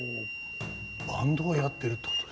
バンドをやってるってことですか？